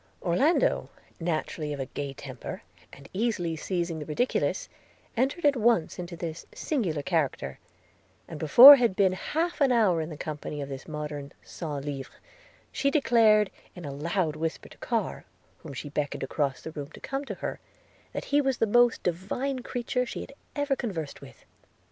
Orlando, naturally of a gay temper, and easily seizing the ridiculous, entered at once into this singular character; and before he had been half an hour in the company of this modern Centlivre, she declared, in a loud whisper to Carr, whom she beckoned across the room to come to her, 'that he was the most divine creature she had ever conversed with.'